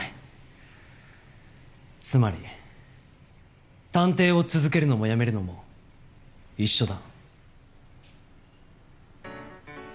つまり探偵を続けるのもやめるのも一緒だ。